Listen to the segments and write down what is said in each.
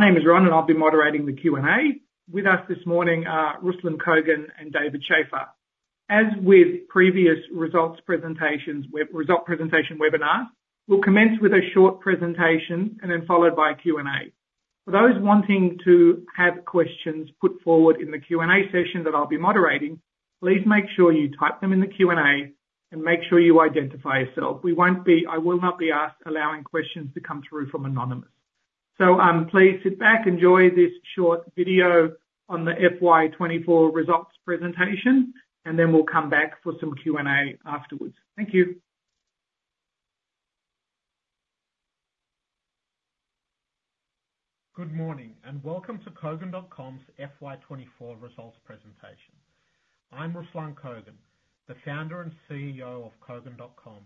...My name is Ron, and I'll be moderating the Q&A. With us this morning are Ruslan Kogan and David Shafer. As with previous results presentations web results presentation webinar, we'll commence with a short presentation and then followed by a Q&A. For those wanting to have questions put forward in the Q&A session that I'll be moderating, please make sure you type them in the Q&A and make sure you identify yourself. We won't be. I will not be allowing questions to come through from anonymous. So, please sit back, enjoy this short video on the FY 2024 results presentation, and then we'll come back for some Q&A afterwards. Thank you. Good morning, and welcome to Kogan.com's FY 2024 results presentation. I'm Ruslan Kogan, the founder and CEO of Kogan.com,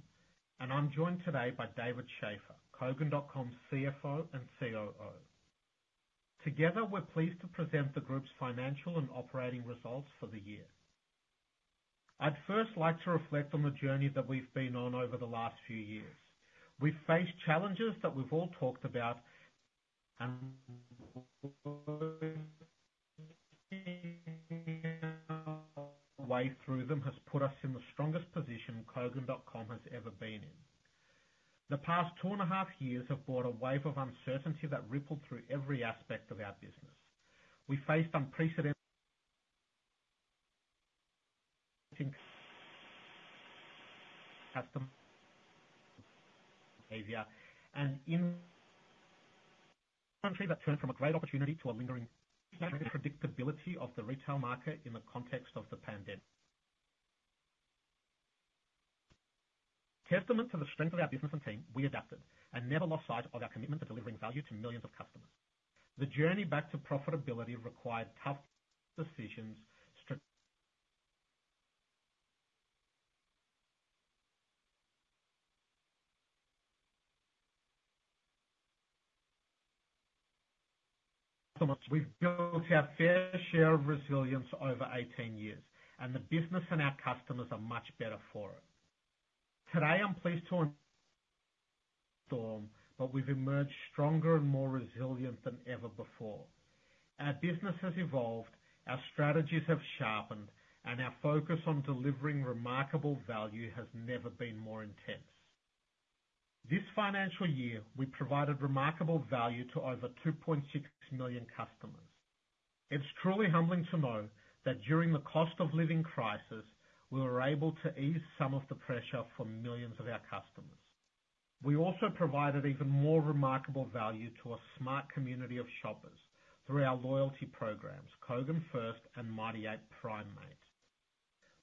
and I'm joined today by David Shafer, Kogan.com's CFO and COO. Together, we're pleased to present the group's financial and operating results for the year. I'd first like to reflect on the journey that we've been on over the last few years. We've faced challenges that we've all talked about, and the way through them has put us in the strongest position Kogan.com has ever been in. The past two and a half years have brought a wave of uncertainty that rippled through every aspect of our business. We faced unprecedented customs in Asia, and in the country that turned from a great opportunity to a lingering unpredictability of the retail market in the context of the pandemic. A testament to the strength of our business and team, we adapted and never lost sight of our commitment to delivering value to millions of customers. The journey back to profitability required tough decisions. We've built our fair share of resilience over 18 years, and the business and our customers are much better for it. Today, I'm pleased to announce we've weathered the storm, but we've emerged stronger and more resilient than ever before. Our business has evolved, our strategies have sharpened, and our focus on delivering remarkable value has never been more intense. This financial year, we provided remarkable value to over 2.6 million customers. It's truly humbling to know that during the cost of living crisis, we were able to ease some of the pressure for millions of our customers. We also provided even more remarkable value to a smart community of shoppers through our loyalty programs, Kogan FIRST and Mighty Ape PRIMATE.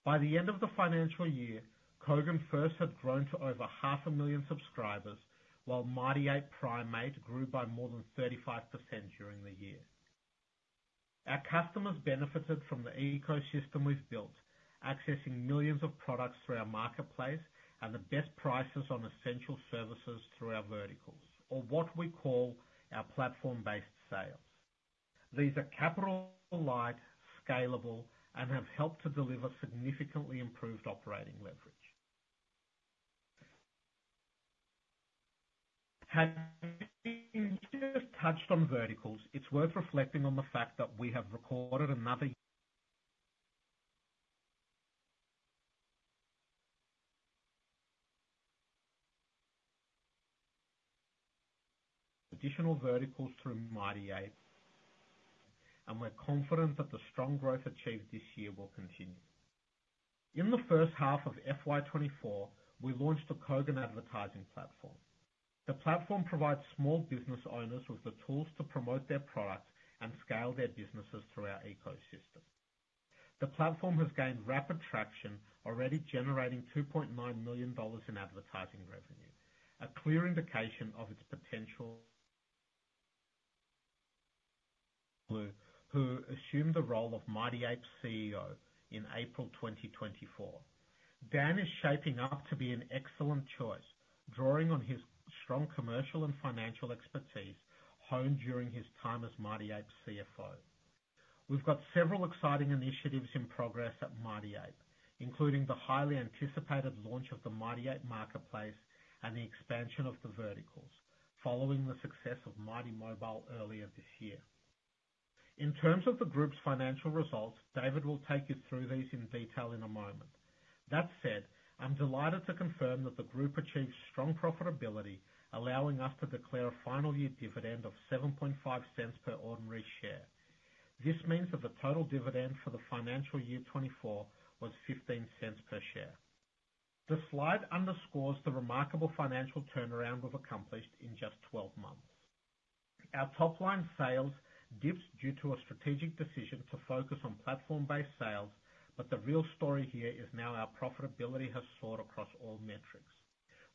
By the end of the financial year, Kogan FIRST had grown to over 500,000 subscribers, while Mighty Ape PRIMATE grew by more than 35% during the year. Our customers benefited from the ecosystem we've built, accessing millions of products through our marketplace, and the best prices on essential services through our verticals, or what we call our platform-based sales. These are capital light, scalable, and have helped to deliver significantly improved operating leverage. Had touched on verticals, it's worth reflecting on the fact that we have recorded another additional verticals through Mighty Ape, and we're confident that the strong growth achieved this year will continue. In the first half of FY 2024, we launched a Kogan Advertising Platform. The platform provides small business owners with the tools to promote their products and scale their businesses through our ecosystem. The platform has gained rapid traction, already generating 2.9 million dollars in advertising revenue, a clear indication of its potential. Who assumed the role of Mighty Ape's CEO in April 2024. Dan is shaping up to be an excellent choice, drawing on his strong commercial and financial expertise honed during his time as Mighty Ape's CFO. We've got several exciting initiatives in progress at Mighty Ape, including the highly anticipated launch of the Mighty Ape Marketplace and the expansion of the verticals following the success of Mighty Mobile earlier this year. In terms of the group's financial results, David will take you through these in detail in a moment. That said, I'm delighted to confirm that the group achieved strong profitability, allowing us to declare a final year dividend of 0.075 per ordinary share. This means that the total dividend for the financial year 2024 was 0.15 per share. The slide underscores the remarkable financial turnaround was accomplished in just 12 months. Our top-line sales dips due to a strategic decision to focus on platform-based sales, but the real story here is now our profitability has soared across all metrics.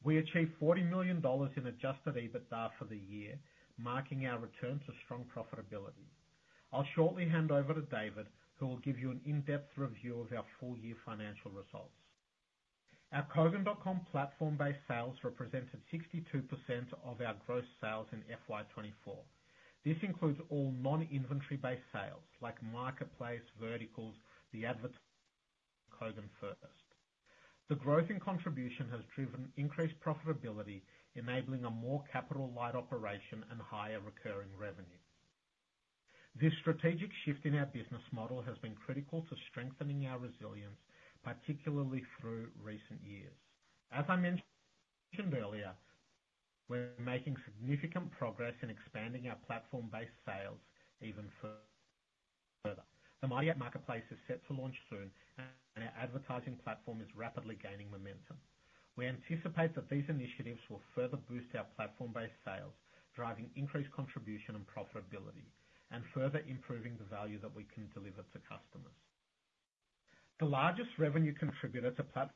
We achieved 40 million dollars in Adjusted EBITDA for the year, marking our return to strong profitability. I'll shortly hand over to David, who will give you an in-depth review of our full-year financial results. Our Kogan.com platform-based sales represented 62% of our gross sales in FY24. This includes all non-inventory-based sales like marketplace, verticals, advertising, Kogan FIRST. The growth in contribution has driven increased profitability, enabling a more capital-light operation and higher recurring revenue. This strategic shift in our business model has been critical to strengthening our resilience, particularly through recent years. As I mentioned earlier, we're making significant progress in expanding our platform-based sales even further. The Mighty Ape Marketplace is set to launch soon, and our advertising platform is rapidly gaining momentum. We anticipate that these initiatives will further boost our platform-based sales, driving increased contribution and profitability, and further improving the value that we can deliver to customers. The largest revenue contributor to plat- First,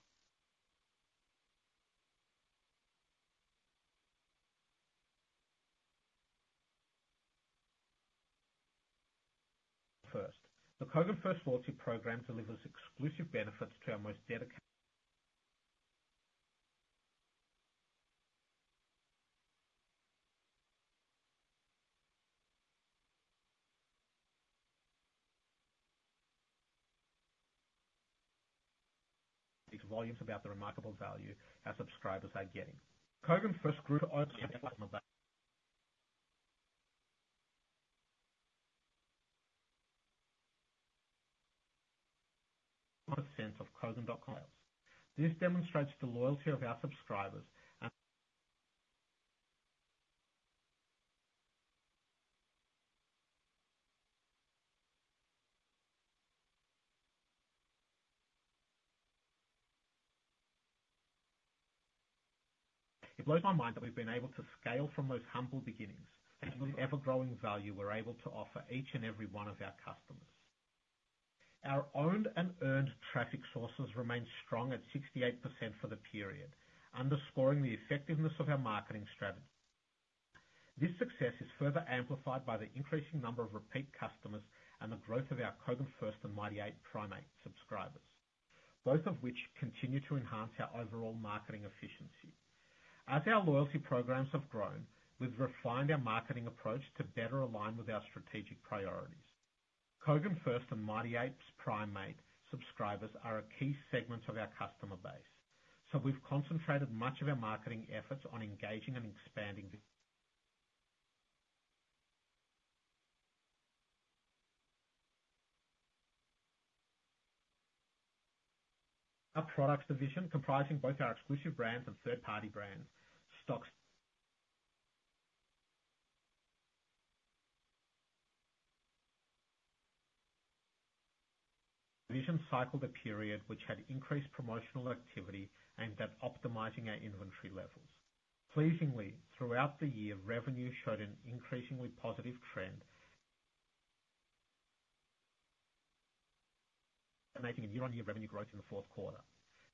the Kogan FIRST loyalty program delivers exclusive benefits to our most dedicated- These volumes about the remarkable value our subscribers are getting. Kogan FIRST grew to- % of Kogan.com. This demonstrates the loyalty of our subscribers, and- It blows my mind that we've been able to scale from those humble beginnings to the ever-growing value we're able to offer each and every one of our customers. Our owned and earned traffic sources remain strong at 68% for the period, underscoring the effectiveness of our marketing strategy. This success is further amplified by the increasing number of repeat customers and the growth of our Kogan FIRST and Mighty Ape PRIMATE subscribers, both of which continue to enhance our overall marketing efficiency. As our loyalty programs have grown, we've refined our marketing approach to better align with our strategic priorities. Kogan FIRST and Mighty Ape's PRIMATE subscribers are a key segment of our customer base, so we've concentrated much of our marketing efforts on engaging and expanding the- Our products division, comprising both our exclusive brands and third-party brands, stocks. Division cycle the period which had increased promotional activity and that optimizing our inventory levels. Pleasingly, throughout the year, revenue showed an increasingly positive trend. Making a year-on-year revenue growth in the fourth quarter.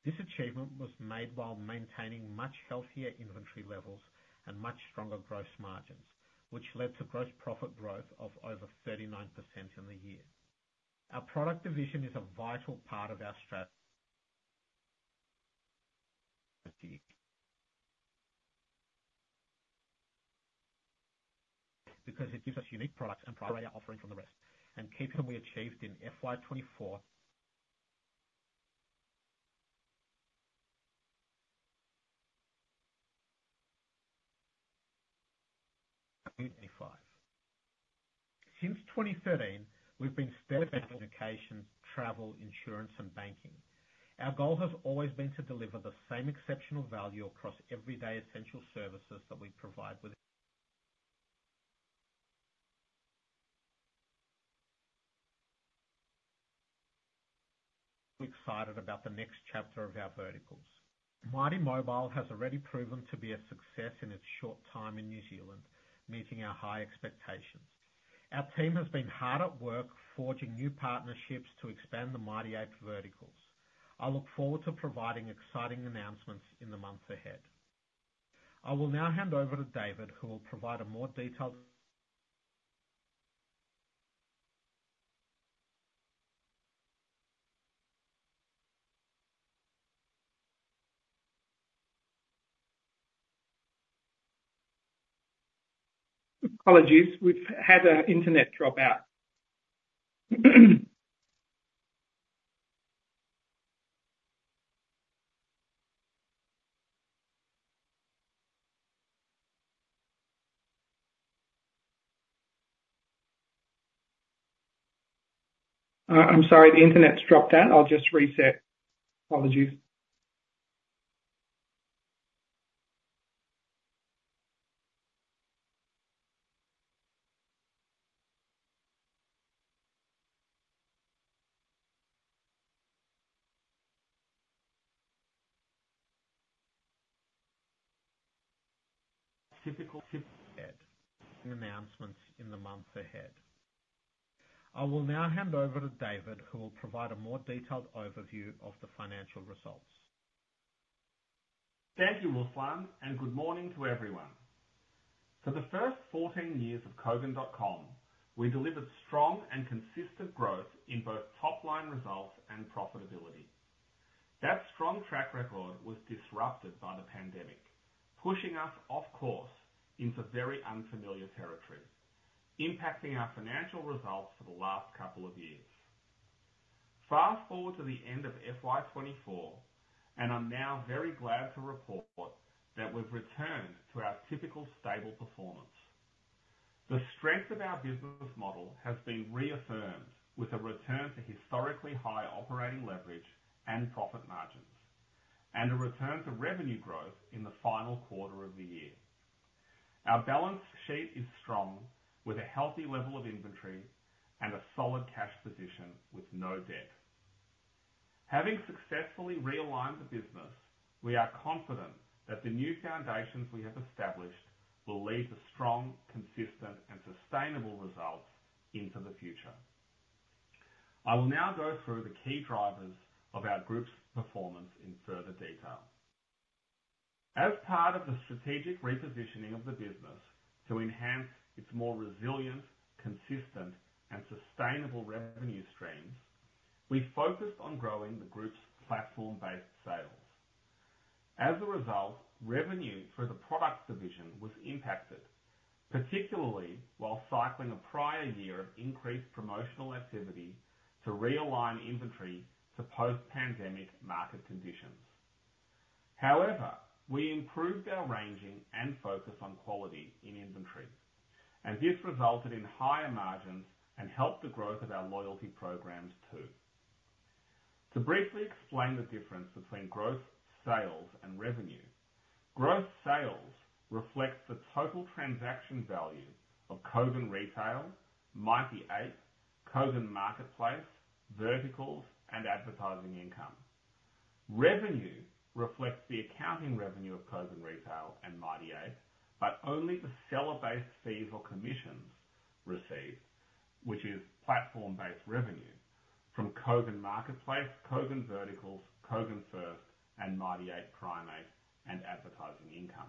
This achievement was made while maintaining much healthier inventory levels and much stronger gross margins, which led to gross profit growth of over 39% in the year. Our product division is a vital part of our strategy. Because it gives us unique products and priority offerings from the rest, and keeping what we achieved in FY 2024. Since 2013, we've been steadfast communication, travel, insurance, and banking. Our goal has always been to deliver the same exceptional value across everyday essential services that we provide. We're excited about the next chapter of our verticals. Mighty Mobile has already proven to be a success in its short time in New Zealand, meeting our high expectations. Our team has been hard at work, forging new partnerships to expand the Mighty Ape verticals. I look forward to providing exciting announcements in the months ahead. I will now hand over to David, who will provide a more detailed- Apologies, we've had our internet drop out. I'm sorry, the internet's dropped out. I'll just reset. Apologies. Typically, two ahead, announcements in the months ahead. I will now hand over to David, who will provide a more detailed overview of the financial results. Thank you, Ruslan, and good morning to everyone. For the first fourteen years of Kogan.com, we delivered strong and consistent growth in both top-line results and profitability. ...That strong track record was disrupted by the pandemic, pushing us off course into very unfamiliar territory, impacting our financial results for the last couple of years. Fast forward to the end of FY 2024, and I'm now very glad to report that we've returned to our typical stable performance. The strength of our business model has been reaffirmed with a return to historically high operating leverage and profit margins, and a return to revenue growth in the final quarter of the year. Our balance sheet is strong, with a healthy level of inventory and a solid cash position with no debt. Having successfully realigned the business, we are confident that the new foundations we have established will lead to strong, consistent, and sustainable results into the future. I will now go through the key drivers of our group's performance in further detail. As part of the strategic repositioning of the business to enhance its more resilient, consistent, and sustainable revenue streams, we focused on growing the group's platform-based sales. As a result, revenue for the product division was impacted, particularly while cycling a prior year of increased promotional activity to realign inventory to post-pandemic market conditions. However, we improved our ranging and focus on quality in inventory, and this resulted in higher margins and helped the growth of our loyalty programs, too. To briefly explain the difference between gross sales and revenue, gross sales reflects the total transaction value of Kogan Retail, Mighty Ape, Kogan Marketplace, Verticals, and advertising income. Revenue reflects the accounting revenue of Kogan Retail and Mighty Ape, but only the seller-based fees or commissions received, which is platform-based revenue from Kogan Marketplace, Kogan Verticals, Kogan FIRST, and Mighty Ape PRIMATE, and advertising income.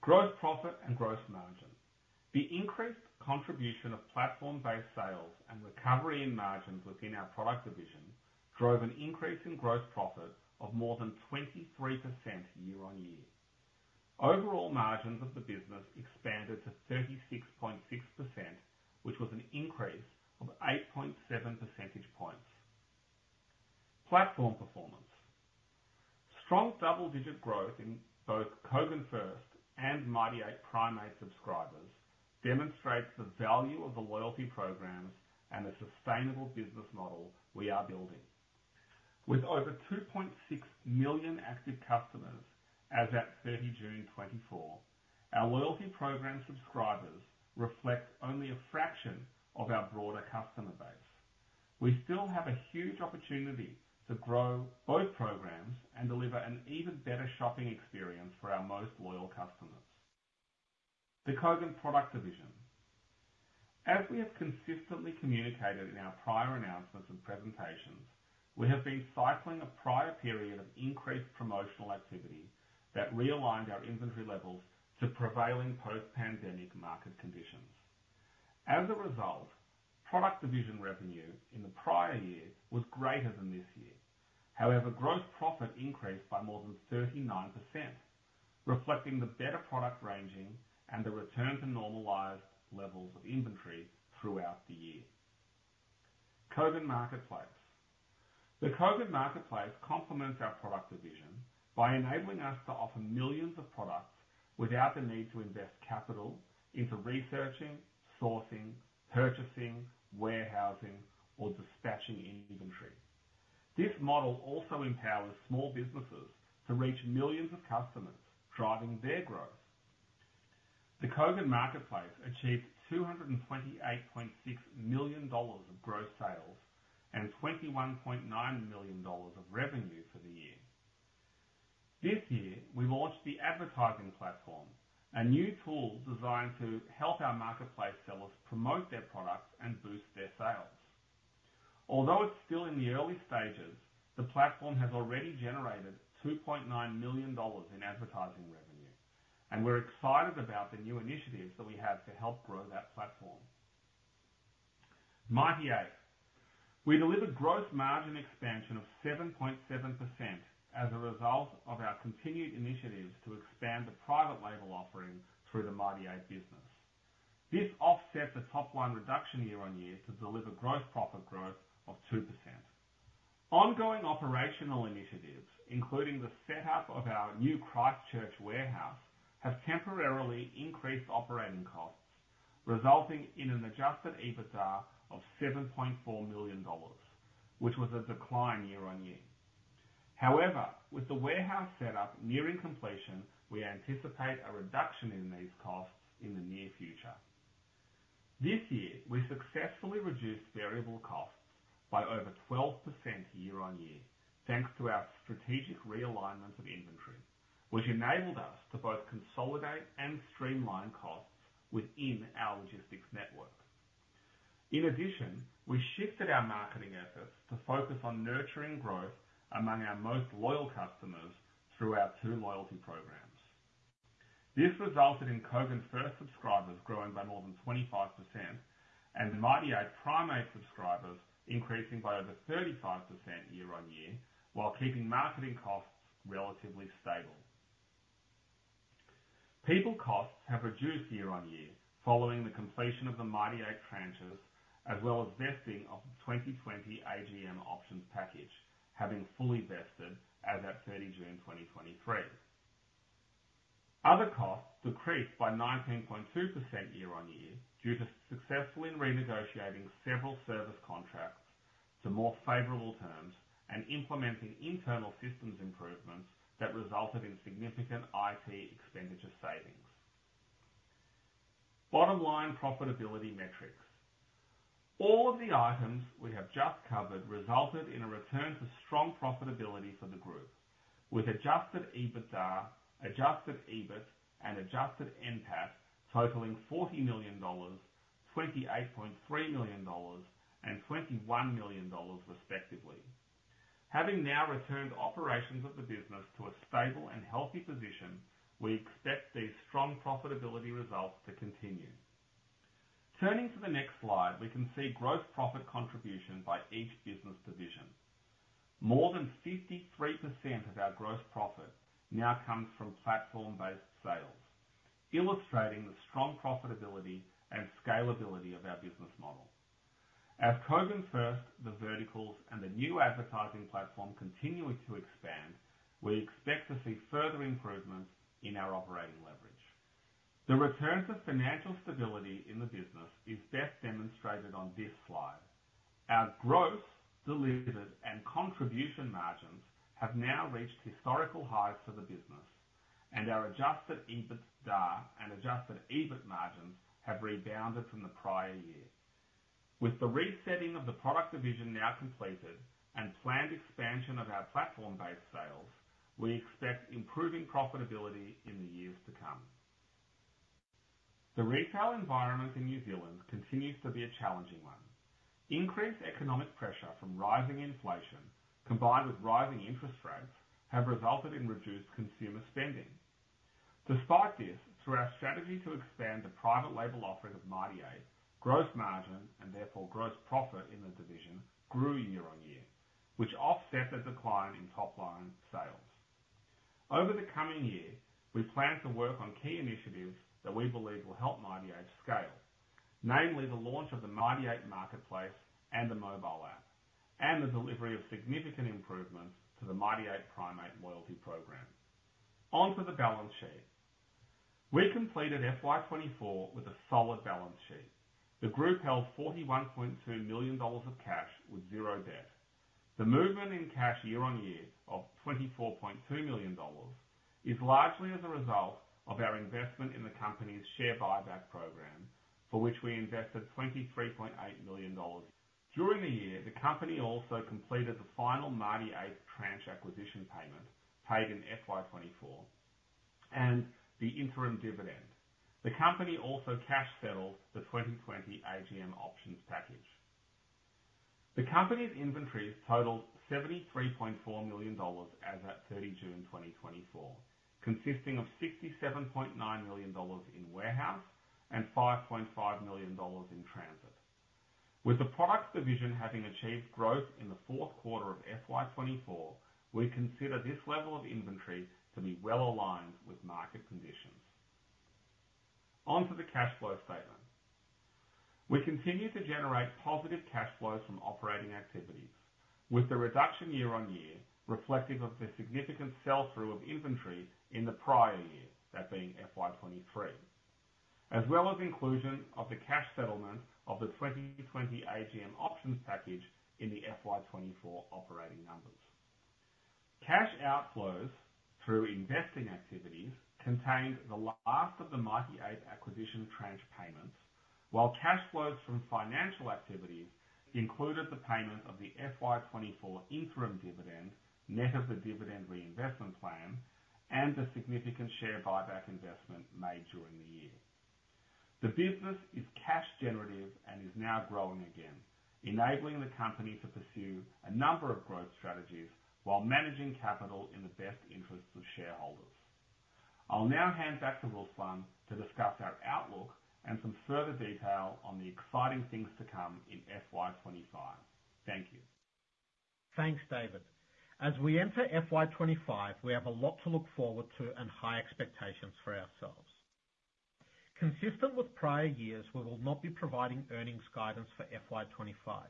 Gross profit and gross margin. The increased contribution of platform-based sales and recovery in margins within our product division drove an increase in gross profit of more than 23% year on year. Overall margins of the business expanded to 36.6%, which was an increase of 8.7 percentage points. Platform performance. Strong double-digit growth in both Kogan FIRST and Mighty Ape PRIMATE subscribers demonstrates the value of the loyalty programs and the sustainable business model we are building. With over 2.6 million active customers as at 30 June 2024, our loyalty program subscribers reflect only a fraction of our broader customer base. We still have a huge opportunity to grow both programs and deliver an even better shopping experience for our most loyal customers. The Kogan Product Division. As we have consistently communicated in our prior announcements and presentations, we have been cycling a prior period of increased promotional activity that realigned our inventory levels to prevailing post-pandemic market conditions. As a result, product division revenue in the prior year was greater than this year. However, gross profit increased by more than 39%, reflecting the better product ranging and the return to normalized levels of inventory throughout the year. Kogan Marketplace. The Kogan Marketplace complements our product division by enabling us to offer millions of products without the need to invest capital into researching, sourcing, purchasing, warehousing, or dispatching inventory. This model also empowers small businesses to reach millions of customers, driving their growth. The Kogan Marketplace achieved 228.6 million dollars of gross sales and 21.9 million dollars of revenue for the year. This year, we launched the advertising platform, a new tool designed to help our marketplace sellers promote their products and boost their sales. Although it's still in the early stages, the platform has already generated 2.9 million dollars in advertising revenue, and we're excited about the new initiatives that we have to help grow that platform. Mighty Ape. We delivered gross margin expansion of 7.7% as a result of our continued initiatives to expand the private label offerings through the Mighty Ape business. This offset the top line reduction year on year to deliver gross profit growth of 2%. Ongoing operational initiatives, including the setup of our new Christchurch warehouse, have temporarily increased operating costs, resulting in an Adjusted EBITDA of 7.4 million dollars, which was a decline year on year. However, with the warehouse setup nearing completion, we anticipate a reduction in these costs in the near future. This year, we successfully reduced variable costs by over 12% year on year, thanks to our strategic realignment of inventory, which enabled us to both consolidate and streamline costs within our logistics network. In addition, we shifted our marketing efforts to focus on nurturing growth among our most loyal customers through our two loyalty programs. This resulted in Kogan FIRST subscribers growing by more than 25% and the Mighty Ape PRIMATE subscribers increasing by over 35% year-on-year, while keeping marketing costs relatively stable. People costs have reduced year-on-year following the completion of the Mighty Ape tranches, as well as vesting of the 2020 AGM options package, having fully vested as at 30 June 2023. Other costs decreased by 19.2% year-on-year, due to successfully renegotiating several service contracts to more favorable terms and implementing internal systems improvements that resulted in significant IT expenditure savings. Bottom line profitability metrics. All of the items we have just covered resulted in a return to strong profitability for the group, with Adjusted EBITDA, Adjusted EBIT and Adjusted NPAT totaling 40 million dollars, 28.3 million dollars, and 21 million dollars respectively. Having now returned operations of the business to a stable and healthy position, we expect these strong profitability results to continue. Turning to the next slide, we can see gross profit contribution by each business division. More than 53% of our gross profit now comes from platform-based sales, illustrating the strong profitability and scalability of our business model. As Kogan FIRST, the verticals and the new advertising platform continuing to expand, we expect to see further improvements in our operating leverage. The return to financial stability in the business is best demonstrated on this slide. Our gross, delivered, and contribution margins have now reached historical highs for the business, and our Adjusted EBITDA and Adjusted EBIT margins have rebounded from the prior year. With the resetting of the product division now completed and planned expansion of our platform-based sales, we expect improving profitability in the years to come. The retail environment in New Zealand continues to be a challenging one. Increased economic pressure from rising inflation, combined with rising interest rates, have resulted in reduced consumer spending. Despite this, through our strategy to expand the private label offering of Mighty Ape, gross margin and therefore gross profit in the division grew year-on-year, which offset the decline in top line sales. Over the coming year, we plan to work on key initiatives that we believe will help Mighty Ape scale, namely the launch of the Mighty Ape Marketplace and the mobile app, and the delivery of significant improvements to the Mighty Ape PRIMATE loyalty program. On to the balance sheet. We completed FY 2024 with a solid balance sheet. The group held 41.2 million dollars of cash with zero debt. The movement in cash year-on-year of 24.2 million dollars is largely as a result of our investment in the company's share buyback program, for which we invested 23.8 million dollars. During the year, the company also completed the final Mighty Ape tranche acquisition payment paid in FY 2024 and the interim dividend. The company also cash settled the 2020 AGM options package. The company's inventories totaled 73.4 million dollars as at 30 June 2024, consisting of 67.9 million dollars in warehouse and 5.5 million dollars in transit. With the products division having achieved growth in the fourth quarter of FY 2024, we consider this level of inventory to be well aligned with market conditions. On to the cash flow statement. We continue to generate positive cash flows from operating activities, with the reduction year-on-year reflective of the significant sell-through of inventory in the prior year, that being FY 2023, as well as inclusion of the cash settlement of the 2020 AGM options package in the FY 2024 operating numbers. Cash outflows through investing activities contained the last of the Mighty Ape acquisition tranche payments, while cash flows from financial activities included the payment of the FY 2024 interim dividend, net of the dividend reinvestment plan, and the significant share buyback investment made during the year. The business is cash generative and is now growing again, enabling the company to pursue a number of growth strategies while managing capital in the best interests of shareholders. I'll now hand back to Ruslan to discuss our outlook and some further detail on the exciting things to come in FY 2025. Thank you. Thanks, David. As we enter FY 2025, we have a lot to look forward to and high expectations for ourselves. Consistent with prior years, we will not be providing earnings guidance for FY 2025.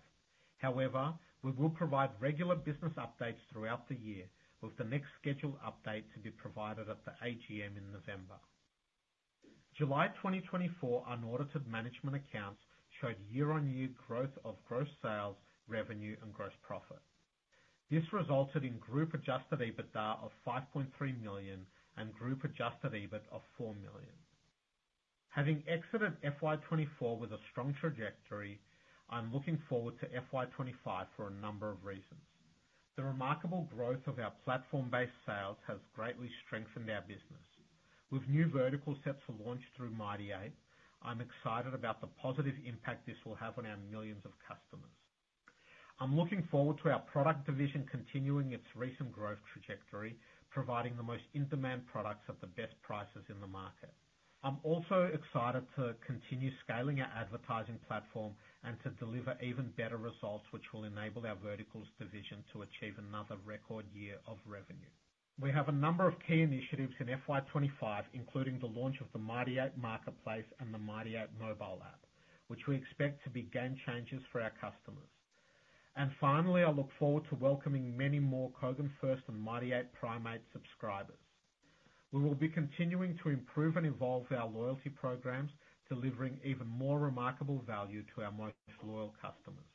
However, we will provide regular business updates throughout the year, with the next scheduled update to be provided at the AGM in November. July 2024 unaudited management accounts showed year-on-year growth of gross sales, revenue, and gross profit. This resulted in group Adjusted EBITDA of 5.3 million and group Adjusted EBIT of 4 million. Having exited FY 2024 with a strong trajectory, I'm looking forward to FY 2025 for a number of reasons. The remarkable growth of our platform-based sales has greatly strengthened our business. With new vertical set to launch through Mighty Ape, I'm excited about the positive impact this will have on our millions of customers. I'm looking forward to our product division continuing its recent growth trajectory, providing the most in-demand products at the best prices in the market. I'm also excited to continue scaling our advertising platform and to deliver even better results, which will enable our verticals division to achieve another record year of revenue. We have a number of key initiatives in FY 2025, including the launch of the Mighty Ape Marketplace and the Mighty Ape mobile app, which we expect to be game changers for our customers. And finally, I look forward to welcoming many more Kogan FIRST and Mighty Ape PRIMATE subscribers. We will be continuing to improve and evolve our loyalty programs, delivering even more remarkable value to our most loyal customers.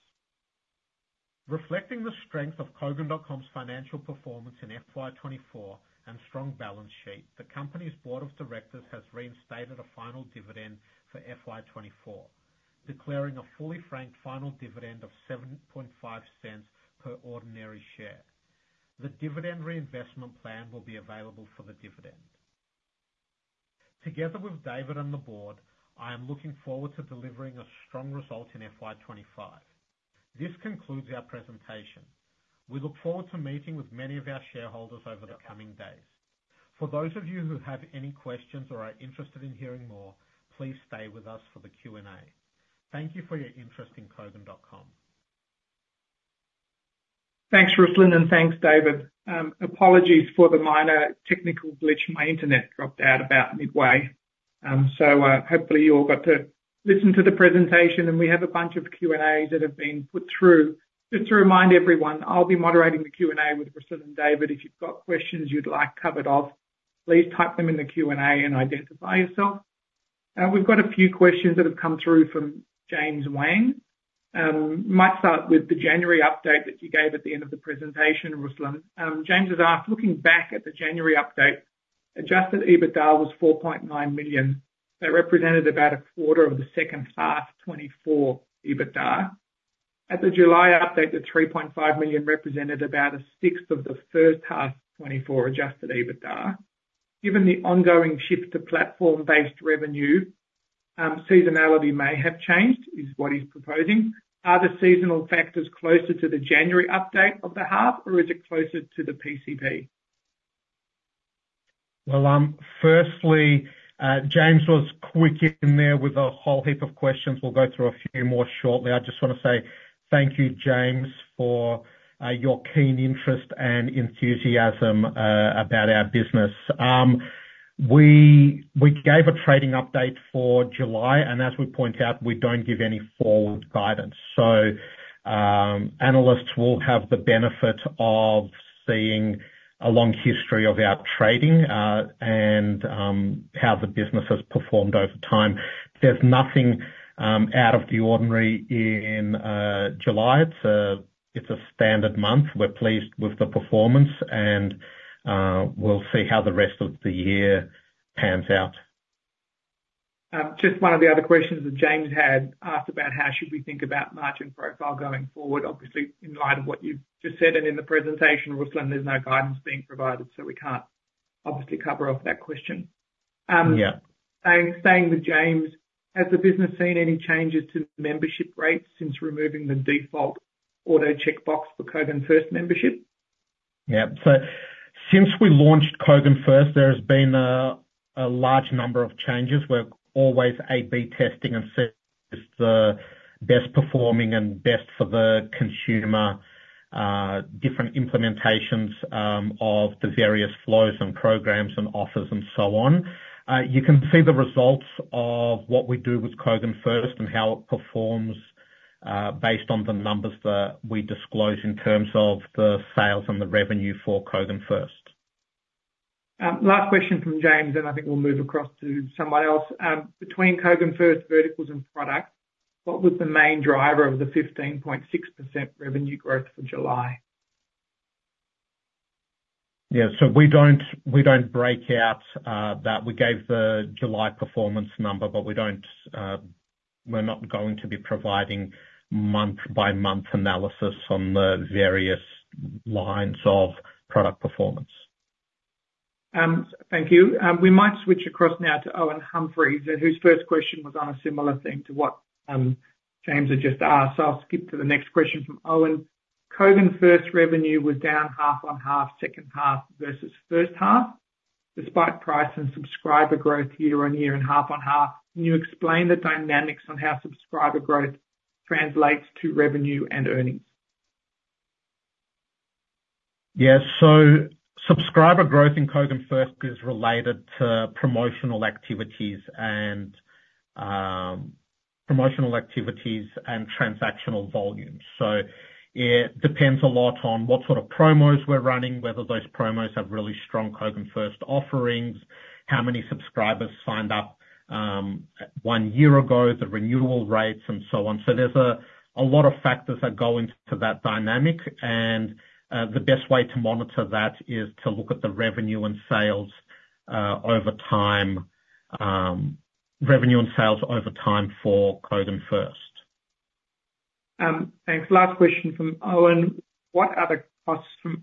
Reflecting the strength of Kogan.com's financial performance in FY 2024 and strong balance sheet, the company's board of directors has reinstated a final dividend for FY 2024, declaring a fully franked final dividend of 0.075 per ordinary share. The Dividend Reinvestment Plan will be available for the dividend. Together with David and the board, I am looking forward to delivering a strong result in FY 2025. This concludes our presentation. We look forward to meeting with many of our shareholders over the coming days. For those of you who have any questions or are interested in hearing more, please stay with us for the Q&A. Thank you for your interest in Kogan.com. Thanks, Ruslan, and thanks, David. Apologies for the minor technical glitch. My internet dropped out about midway. So, hopefully, you all got to listen to the presentation, and we have a bunch of Q&A that have been put through. Just to remind everyone, I'll be moderating the Q&A with Ruslan and David. If you've got questions you'd like covered off, please type them in the Q&A and identify yourself. We've got a few questions that have come through from James Wang. Might start with the January update that you gave at the end of the presentation, Ruslan. James has asked, "Looking back at the January update, Adjusted EBITDA was 4.9 million. That represented about a quarter of the second half 2024 EBITDA. At the July update, the 3.5 million represented about a sixth of the first half 2024 Adjusted EBITDA. Given the ongoing shift to platform-based revenue, seasonality may have changed," is what he's proposing. "Are the seasonal factors closer to the January update of the half, or is it closer to the PCP?" Firstly, James was quick in there with a whole heap of questions. We'll go through a few more shortly. I just wanna say thank you, James, for your keen interest and enthusiasm about our business. We gave a trading update for July, and as we point out, we don't give any forward guidance. Analysts will have the benefit of seeing a long history of our trading, and how the business has performed over time. There's nothing out of the ordinary in July. It's a standard month. We're pleased with the performance, and we'll see how the rest of the year pans out. Just one of the other questions that James had asked about, "How should we think about margin profile going forward?" Obviously, in light of what you've just said and in the presentation, Ruslan, there's no guidance being provided, so we can't obviously cover off that question. Yeah. Staying with James, "Has the business seen any changes to membership rates since removing the default auto checkbox for Kogan FIRST membership?" Yeah. So since we launched Kogan FIRST, there has been a large number of changes. We're always A/B testing and search the best performing and best for the consumer, different implementations, of the various flows and programs and offers and so on. You can see the results of what we do with Kogan FIRST and how it performs, based on the numbers that we disclose in terms of the sales and the revenue for Kogan FIRST. Last question from James, then I think we'll move across to somebody else. "Between Kogan FIRST verticals and products, what was the main driver of the 15.6% revenue growth for July?" Yeah, so we don't break out that. We gave the July performance number, but we're not going to be providing month-by-month analysis on the various lines of product performance. Thank you. We might switch across now to Owen Humphries, and whose first question was on a similar thing to what James had just asked. So I'll skip to the next question from Owen. "Kogan FIRST revenue was down half on half, second half versus first half, despite price and subscriber growth year on year and half on half. Can you explain the dynamics on how subscriber growth translates to revenue and earnings?" Yeah. So subscriber growth in Kogan FIRST is related to promotional activities, and promotional activities and transactional volumes. So it depends a lot on what sort of promos we're running, whether those promos have really strong Kogan FIRST offerings, how many subscribers signed up one year ago, the renewal rates, and so on. So there's a lot of factors that go into that dynamic, and the best way to monitor that is to look at the revenue and sales over time, revenue and sales over time for Kogan FIRST. Thanks. Last question from Owen. "What are the costs from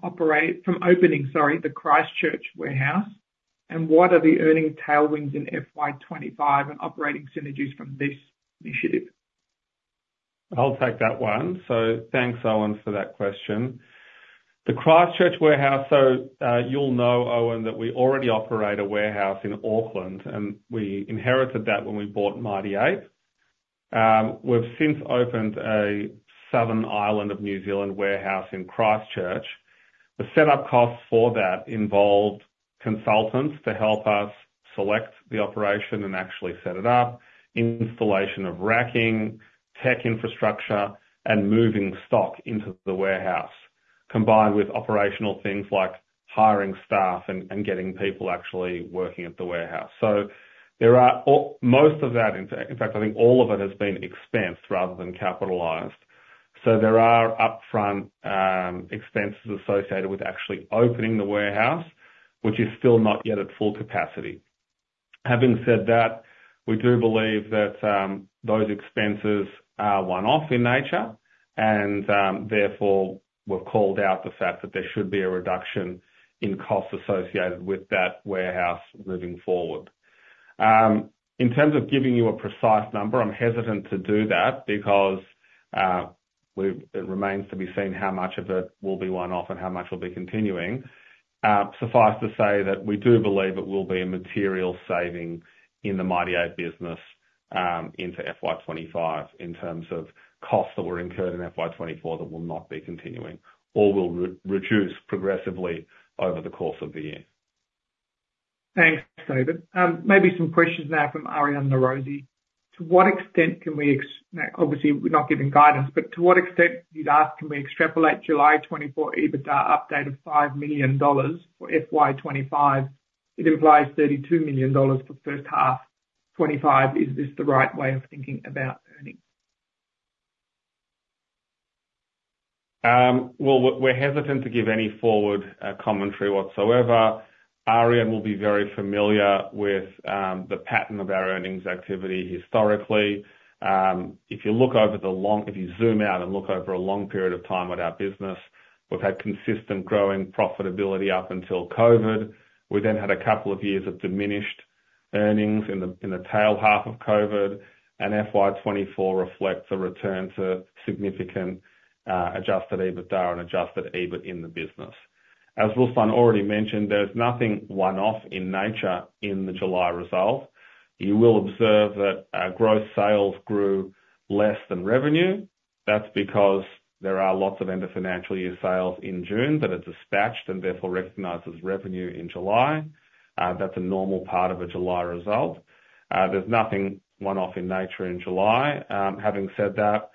opening, sorry, the Christchurch warehouse? And what are the earnings tailwinds in FY 2025 and operating synergies from this initiative?" I'll take that one. So thanks, Owen, for that question. The Christchurch warehouse, so you'll know, Owen, that we already operate a warehouse in Auckland, and we inherited that when we bought Mighty Ape. We've since opened a South Island warehouse in Christchurch. The setup costs for that involved consultants to help us select the operation and actually set it up, installation of racking, tech infrastructure, and moving stock into the warehouse, combined with operational things like hiring staff and getting people actually working at the warehouse. So there are almost all of that. In fact, I think all of it has been expensed rather than capitalized. So there are upfront expenses associated with actually opening the warehouse, which is still not yet at full capacity. Having said that, we do believe that those expenses are one-off in nature, and therefore, we've called out the fact that there should be a reduction in costs associated with that warehouse moving forward. In terms of giving you a precise number, I'm hesitant to do that because it remains to be seen how much of it will be one-off and how much will be continuing. Suffice to say that we do believe it will be a material saving in the Mighty Ape business, into FY 2025, in terms of costs that were incurred in FY 2024 that will not be continuing or will reduce progressively over the course of the year. Thanks, David. Maybe some questions now from Aryan Norozi. "To what extent can we now, obviously, we're not giving guidance, but to what extent you'd ask, can we extrapolate July 2024 EBITDA update of 5 million dollars for FY 2025? It implies 32 million dollars for first half 2025. Is this the right way of thinking about earnings?" Well, we're hesitant to give any forward commentary whatsoever. Arianna will be very familiar with the pattern of our earnings activity historically. If you zoom out and look over a long period of time at our business, we've had consistent growing profitability up until COVID. We then had a couple of years of diminished earnings in the latter half of COVID, and FY 2024 reflects a return to significant Adjusted EBITDA and Adjusted EBIT in the business. As Ruslan already mentioned, there's nothing one-off in nature in the July result. You will observe that our gross sales grew less than revenue. That's because there are lots of end of financial year sales in June that are dispatched and therefore recognized as revenue in July. That's a normal part of a July result. There's nothing one-off in nature in July. Having said that,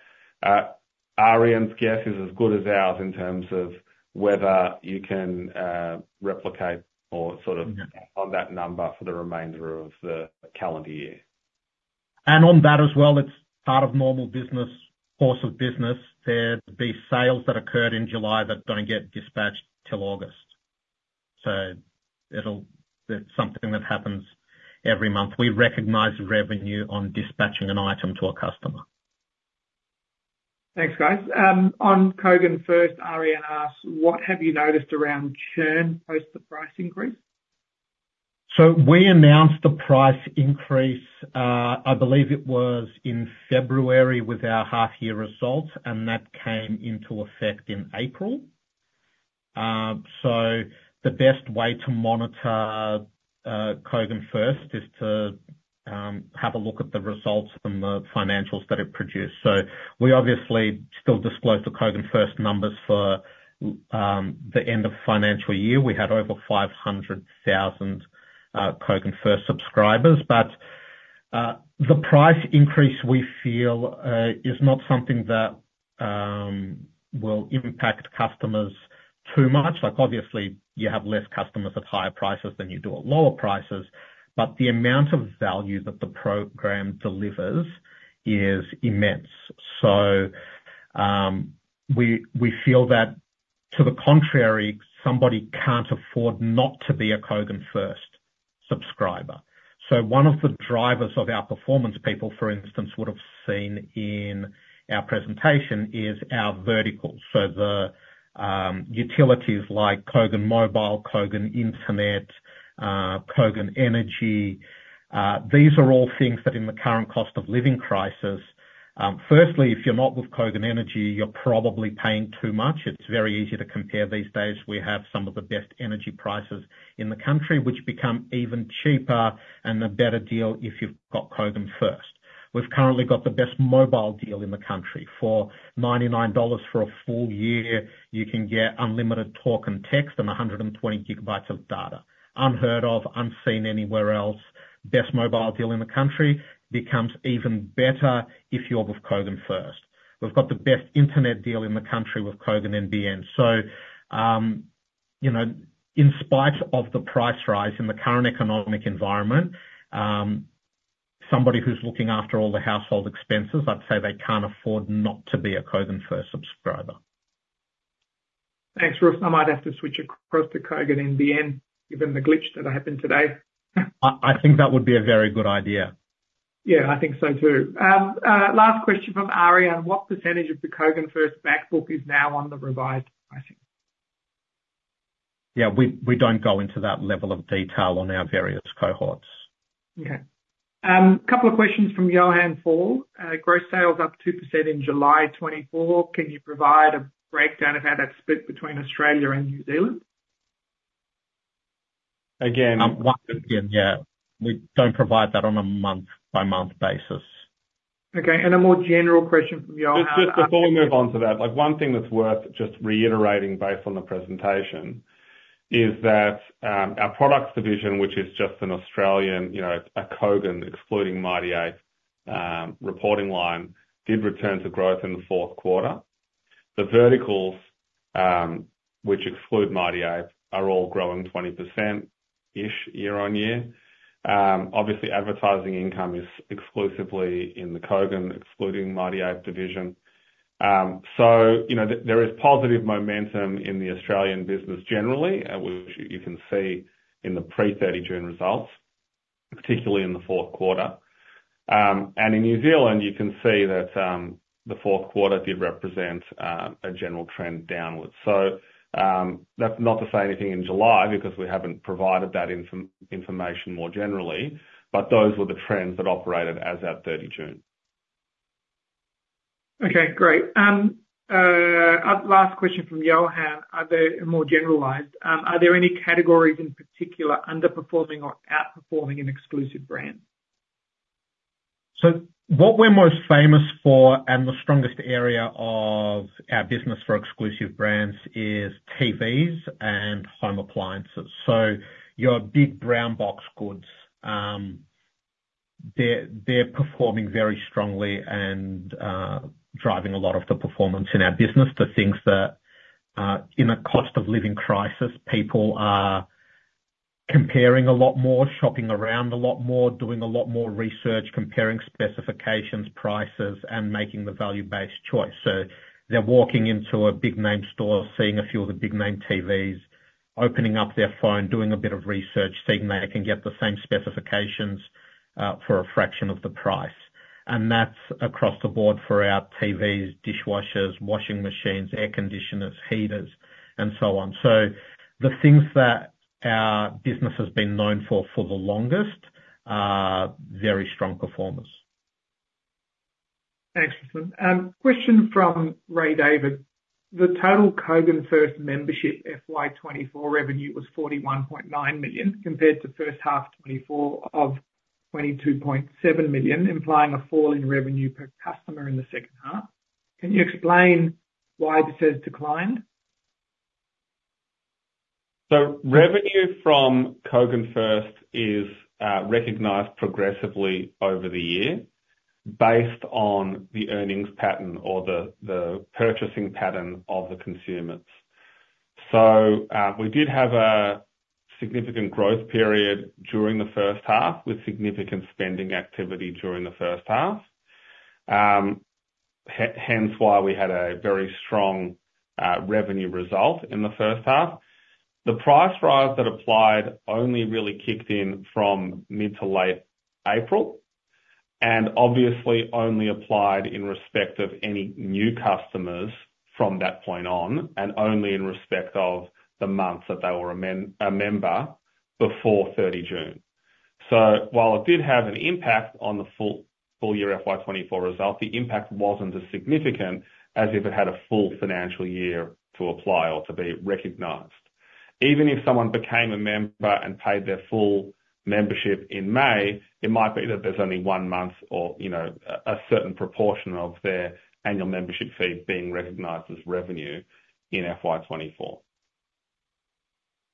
Arianna's guess is as good as ours in terms of whether you can replicate or sort of on that number for the remainder of the calendar year. And on that as well, it's part of normal business, course of business. There'd be sales that occurred in July that don't get dispatched till August. So it'll. That's something that happens every month. We recognize revenue on dispatching an item to a customer. Thanks, guys. On Kogan FIRST, Arianna asks, "What have you noticed around churn post the price increase?" We announced the price increase, I believe it was in February with our half-year results, and that came into effect in April. The best way to monitor Kogan FIRST is to have a look at the results from the financials that it produced. We obviously still disclose the Kogan FIRST numbers for the end of financial year. We had over 500,000 Kogan FIRST subscribers. The price increase, we feel, is not something that will impact customers too much. Like, obviously, you have less customers at higher prices than you do at lower prices, but the amount of value that the program delivers is immense. We feel that, to the contrary, somebody can't afford not to be a Kogan FIRST subscriber. So one of the drivers of our performance, people, for instance, would have seen in our presentation, is our verticals. So the utilities like Kogan Mobile, Kogan Internet, Kogan Energy, these are all things that in the current cost of living crisis, firstly, if you're not with Kogan Energy, you're probably paying too much. It's very easy to compare these days. We have some of the best energy prices in the country, which become even cheaper and a better deal if you've got Kogan FIRST. We've currently got the best mobile deal in the country. For 99 dollars for a full year, you can get unlimited talk and text and 120 GB of data. Unheard of, unseen anywhere else. Best mobile deal in the country becomes even better if you're with Kogan FIRST. We've got the best internet deal in the country with Kogan NBN, so you know, in spite of the price rise in the current economic environment, somebody who's looking after all the household expenses, I'd say they can't afford not to be a Kogan FIRST subscriber. Thanks, Rus. I might have to switch across to Kogan NBN, given the glitch that happened today. I think that would be a very good idea.... Yeah, I think so, too. Last question from Arianna: What percentage of the Kogan FIRST back book is now on the revised pricing? Yeah, we don't go into that level of detail on our various cohorts. Okay. Couple of questions from Johann Fall. "Gross Sales up 2% in July 2024. Can you provide a breakdown of how that's split between Australia and New Zealand?" Again- One, again, yeah, we don't provide that on a month-by-month basis. Okay, and a more general question from Johann- Just, just before we move on to that, like, one thing that's worth just reiterating based on the presentation, is that, our products division, which is just an Australian, you know, a Kogan excluding Mighty Ape, reporting line, did return to growth in the fourth quarter. The verticals, which exclude Mighty Ape, are all growing 20%-ish, year on year. Obviously, advertising income is exclusively in the Kogan, excluding Mighty Ape division. So, you know, there, there is positive momentum in the Australian business generally, which you can see in the pre-30 June results, particularly in the fourth quarter. And in New Zealand, you can see that the fourth quarter did represent a general trend downwards. That's not to say anything in July, because we haven't provided that information more generally, but those were the trends that operated as at 30 June. Okay, great. Last question from Johann, "Are there any categories in particular underperforming or outperforming in exclusive brands?" So what we're most famous for, and the strongest area of our business for exclusive brands, is TVs and home appliances. So your big brown box goods, they're performing very strongly and driving a lot of the performance in our business to things that in a cost of living crisis, people are comparing a lot more, shopping around a lot more, doing a lot more research, comparing specifications, prices, and making the value-based choice. So they're walking into a big name store, seeing a few of the big name TVs, opening up their phone, doing a bit of research, seeing they can get the same specifications for a fraction of the price. And that's across the board for our TVs, dishwashers, washing machines, air conditioners, heaters, and so on. So the things that our business has been known for, for the longest, are very strong performers. Excellent. Question from Ray David, "The total Kogan FIRST membership FY 2024 revenue was AUD 41.9 million, compared to first half 2024 of AUD 22.7 million, implying a fall in revenue per customer in the second half. Can you explain why this has declined?" So revenue from Kogan FIRST is recognized progressively over the year, based on the earnings pattern or the purchasing pattern of the consumers. So we did have a significant growth period during the first half, with significant spending activity during the first half. Hence why we had a very strong revenue result in the first half. The price rise that applied only really kicked in from mid to late April, and obviously only applied in respect of any new customers from that point on, and only in respect of the months that they were a member before 30 June. So while it did have an impact on the full year FY 2024 result, the impact wasn't as significant as if it had a full financial year to apply or to be recognized. Even if someone became a member and paid their full membership in May, it might be that there's only one month or, you know, a certain proportion of their annual membership fee being recognized as revenue in FY 2024.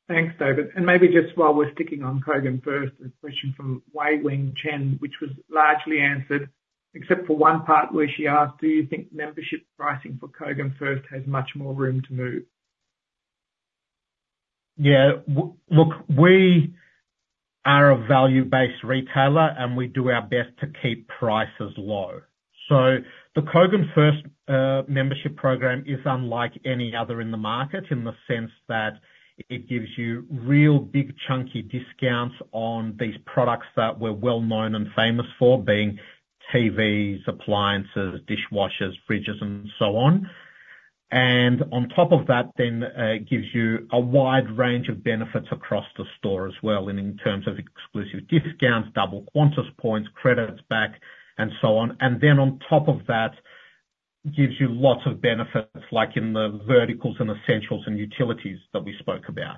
Thanks, David. And maybe just while we're sticking on Kogan FIRST, a question from Wei-Weng Chen, which was largely answered except for one part, where she asked, "Do you think membership pricing for Kogan FIRST has much more room to move?" Yeah. Look, we are a value-based retailer, and we do our best to keep prices low. So the Kogan FIRST membership program is unlike any other in the market, in the sense that it gives you real, big, chunky discounts on these products that we're well known and famous for, being TVs, appliances, dishwashers, fridges, and so on. And on top of that, then, it gives you a wide range of benefits across the store as well, and in terms of exclusive discounts, double Qantas points, credits back, and so on. And then on top of that, gives you lots of benefits, like in the verticals and essentials and utilities that we spoke about.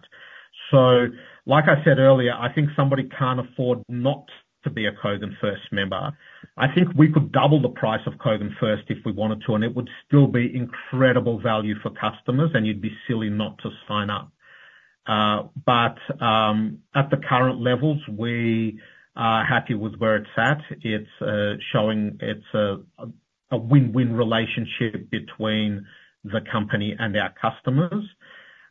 So like I said earlier, I think somebody can't afford not to be a Kogan FIRST member. I think we could double the price of Kogan First if we wanted to, and it would still be incredible value for customers, and you'd be silly not to sign up. But, at the current levels, we are happy with where it's at. It's showing it's a win-win relationship between the company and our customers.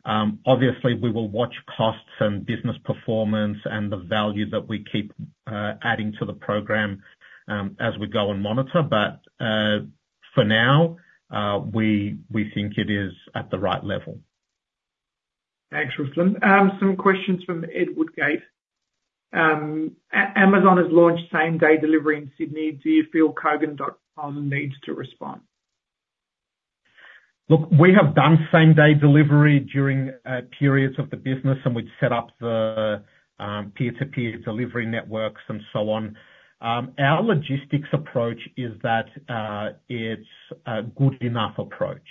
Obviously, we will watch costs and business performance, and the value that we keep adding to the program, as we go and monitor. But, for now, we think it is at the right level.... Thanks, Ruslan. Some questions from Ed Woodgate. "Amazon has launched same-day delivery in Sydney. Do you feel Kogan.com needs to respond?" Look, we have done same-day delivery during periods of the business, and we've set up the peer-to-peer delivery networks and so on. Our logistics approach is that it's a good enough approach,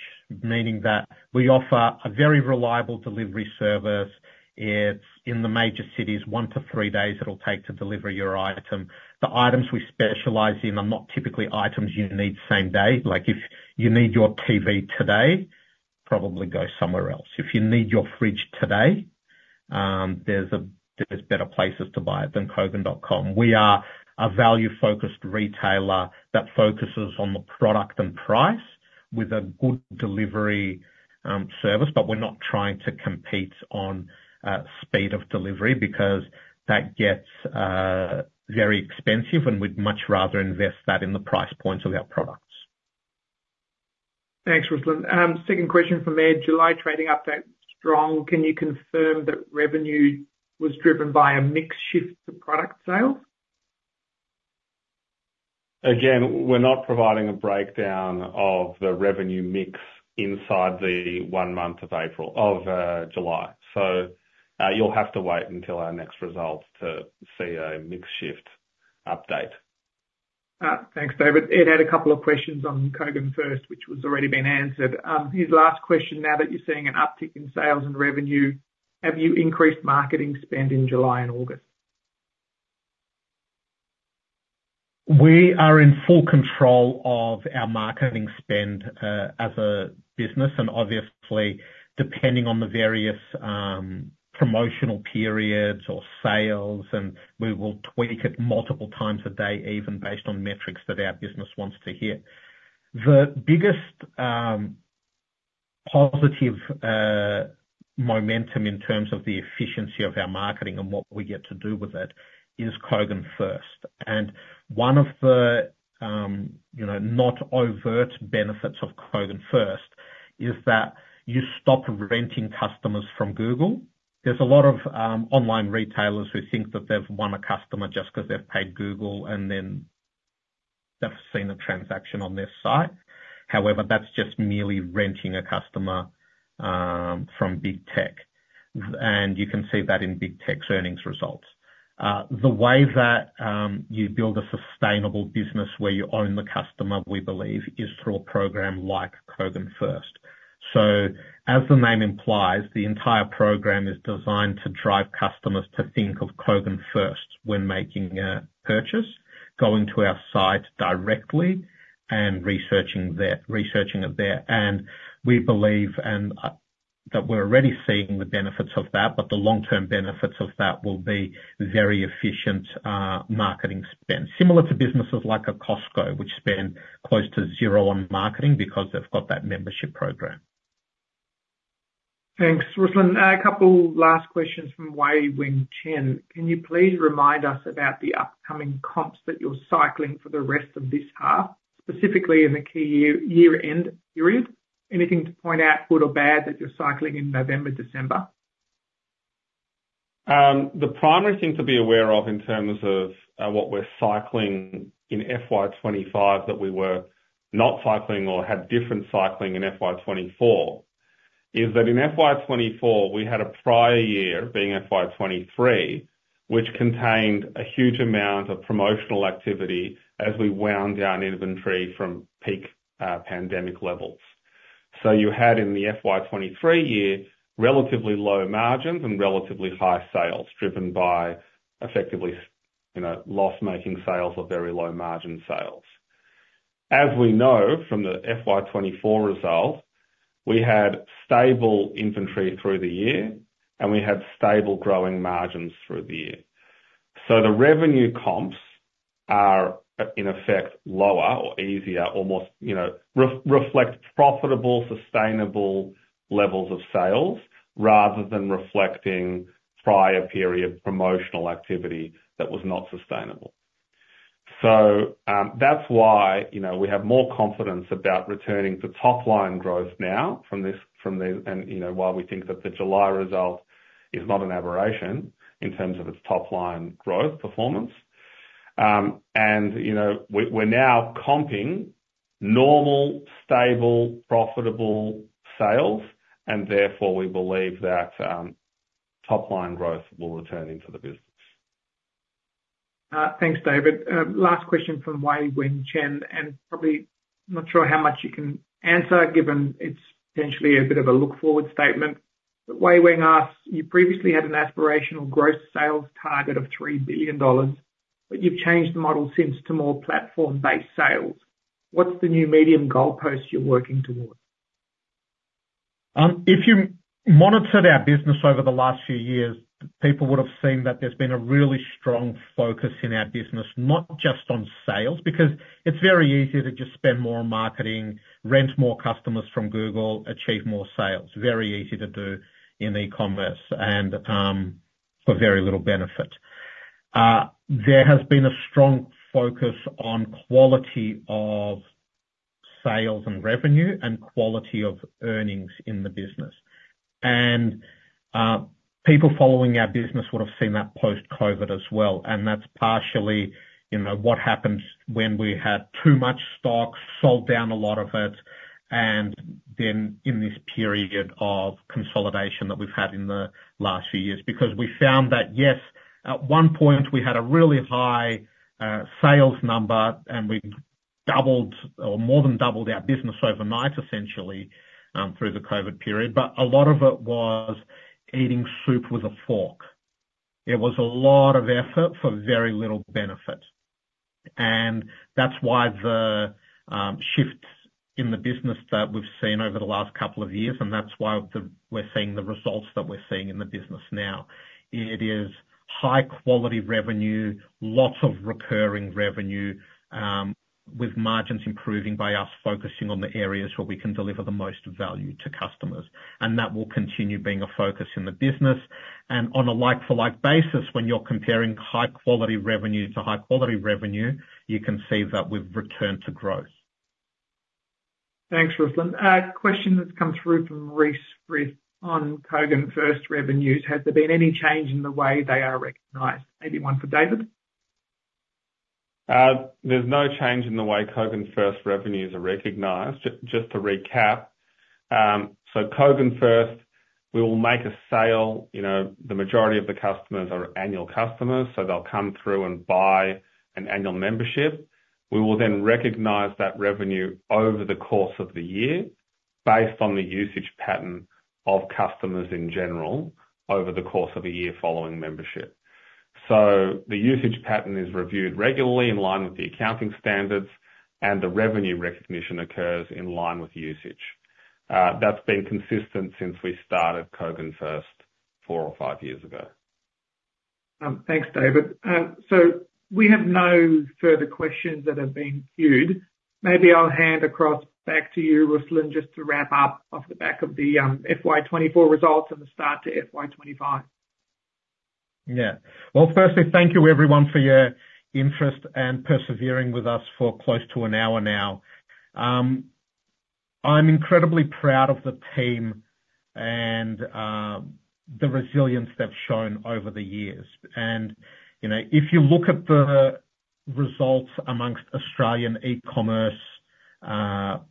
meaning that we offer a very reliable delivery service. It's in the major cities, one to three days it'll take to deliver your item. The items we specialize in are not typically items you need same day. Like, if you need your TV today, probably go somewhere else. If you need your fridge today, there's better places to buy it than Kogan.com. We are a value-focused retailer that focuses on the product and price, with a good delivery service, but we're not trying to compete on speed of delivery, because that gets very expensive, and we'd much rather invest that in the price points of our products. Thanks, Ruslan. Second question from Ed, "July trading update, strong. Can you confirm that revenue was driven by a mix shift to product sales?" Again, we're not providing a breakdown of the revenue mix inside the one month of April, of July. So, you'll have to wait until our next results to see a mix shift update. Thanks, David. Ed had a couple of questions on Kogan FIRST, which has already been answered. His last question, "Now that you're seeing an uptick in sales and revenue, have you increased marketing spend in July and August?" We are in full control of our marketing spend, as a business, and obviously, depending on the various, promotional periods or sales, and we will tweak it multiple times a day, even based on metrics that our business wants to hit. The biggest, positive, momentum in terms of the efficiency of our marketing and what we get to do with it, is Kogan FIRST. And one of the, you know, not overt benefits of Kogan FIRST, is that you stop renting customers from Google. There's a lot of, online retailers who think that they've won a customer just because they've paid Google, and then they've seen a transaction on their site. However, that's just merely renting a customer, from big tech, and you can see that in big tech's earnings results. The way that you build a sustainable business where you own the customer, we believe, is through a program like Kogan FIRST. So, as the name implies, the entire program is designed to drive customers to think of Kogan FIRST when making a purchase, going to our site directly, and researching it there. We believe that we're already seeing the benefits of that, but the long-term benefits of that will be very efficient marketing spend. Similar to businesses like a Costco, which spend close to zero on marketing, because they've got that membership program. Thanks, Ruslan. A couple last questions from Wei-Weng Chen. "Can you please remind us about the upcoming comps that you're cycling for the rest of this half, specifically in the key year, year-end period? Anything to point out, good or bad, that you're cycling in November, December?" The primary thing to be aware of in terms of what we're cycling in FY 2025, that we were not cycling or had different cycling in FY 2024, is that in FY 2024, we had a prior year, being FY 2023, which contained a huge amount of promotional activity as we wound down inventory from peak pandemic levels. You had, in the FY 2023 year, relatively low margins and relatively high sales, driven by effectively, you know, loss-making sales or very low margin sales. As we know from the FY 2024 results, we had stable inventory through the year, and we had stable growing margins through the year. The revenue comps are in effect lower or easier or more, you know, reflect profitable, sustainable levels of sales, rather than reflecting prior period promotional activity that was not sustainable. So, that's why, you know, we have more confidence about returning to top line growth now. And, you know, why we think that the July result is not an aberration in terms of its top line growth performance. And, you know, we're now comping normal, stable, profitable sales, and therefore we believe that top line growth will return into the business. Thanks, David. Last question from Wei-Weng Chen, and probably not sure how much you can answer, given it's potentially a bit of a forward-looking statement. But Wei-Weng asks, "You previously had an aspirational gross sales target of 3 billion dollars, but you've changed the model since to more platform-based sales. What's the new medium goalpost you're working towards?" If you monitored our business over the last few years, people would have seen that there's been a really strong focus in our business, not just on sales. Because it's very easy to just spend more on marketing, rent more customers from Google, achieve more sales. Very easy to do in e-commerce and for very little benefit. There has been a strong focus on quality of sales and revenue and quality of earnings in the business. And people following our business would have seen that post-COVID as well, and that's partially, you know, what happens when we had too much stock, sold down a lot of it, and then in this period of consolidation that we've had in the last few years. Because we found that, yes, at one point, we had a really high sales number, and we doubled or more than doubled our business overnight, essentially, through the COVID period. But a lot of it was eating soup with a fork. It was a lot of effort for very little benefit, and that's why the shifts in the business that we've seen over the last couple of years, and that's why we're seeing the results that we're seeing in the business now. It is high-quality revenue, lots of recurring revenue, with margins improving by us focusing on the areas where we can deliver the most value to customers, and that will continue being a focus in the business. And on a like-for-like basis, when you're comparing high quality revenue to high quality revenue, you can see that we've returned to growth. Thanks, Ruslan. A question that's come through from Reece, Rus, on Kogan FIRST revenues, "Has there been any change in the way they are recognized?" Maybe one for David. There's no change in the way Kogan FIRST revenues are recognized. Just to recap, so Kogan FIRST, we will make a sale. You know, the majority of the customers are annual customers, so they'll come through and buy an annual membership. We will then recognize that revenue over the course of the year, based on the usage pattern of customers in general, over the course of a year following membership. So the usage pattern is reviewed regularly in line with the accounting standards, and the revenue recognition occurs in line with usage. That's been consistent since we started Kogan FIRST four or five years ago. Thanks, David, so we have no further questions that have been queued. Maybe I'll hand across back to you, Ruslan, just to wrap up off the back of the FY 2024 results and the start to FY 2025. Yeah. Well, firstly, thank you everyone for your interest and persevering with us for close to an hour now. I'm incredibly proud of the team and the resilience they've shown over the years. And, you know, if you look at the results amongst Australian e-commerce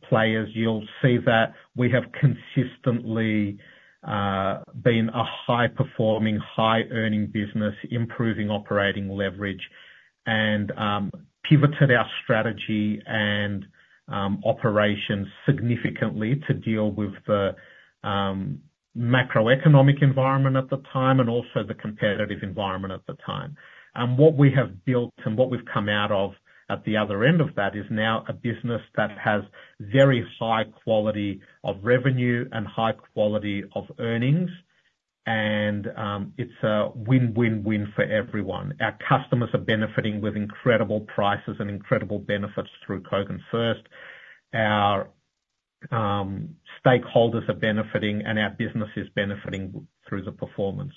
players, you'll see that we have consistently been a high-performing, high-earning business, improving operating leverage and pivoted our strategy and operations significantly to deal with the macroeconomic environment at the time, and also the competitive environment at the time. And what we have built and what we've come out of at the other end of that, is now a business that has very high quality of revenue and high quality of earnings, and it's a win-win-win for everyone. Our customers are benefiting with incredible prices and incredible benefits through Kogan FIRST. Our stakeholders are benefiting, and our business is benefiting through the performance.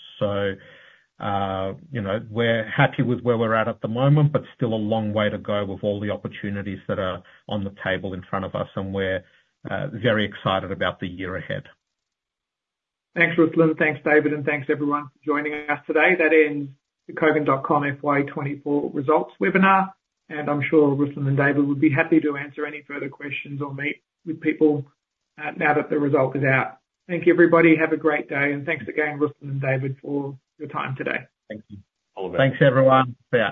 So, you know, we're happy with where we're at the moment, but still a long way to go with all the opportunities that are on the table in front of us, and we're very excited about the year ahead. Thanks, Ruslan. Thanks, David, and thanks everyone for joining us today. That ends the Kogan.com FY 2024 results webinar, and I'm sure Ruslan and David would be happy to answer any further questions or meet with people now that the result is out. Thank you, everybody. Have a great day, and thanks again, Ruslan and David, for your time today. Thank you. All the best. Thanks, everyone. Yeah.